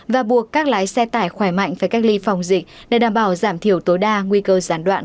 và buộc các lái xe tải khỏe mạnh phải cách ly phòng dịch để đảm bảo giảm thiểu tối đa nguy cơ gián đoạn